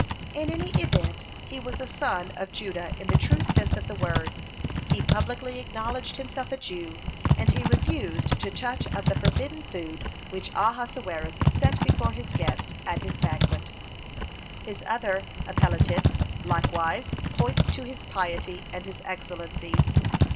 (59) In any event, he was a son of Judah in the true sense of the word; he publicly acknowledged himself a Jew, and he refused to touch of the forbidden food which Ahasuerus set before his guest at his banquet. (60) His other appellatives likewise point to his piety and his excellencies.